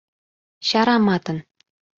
Чараматын.